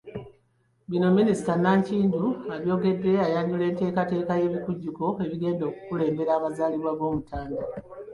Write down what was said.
Bino minisita Nankindu abyogedde ayanjula enteekateeka y'ebikujjuko ebigenda okukulembera amazaalibwa g'omutanda ag'omwaka guno.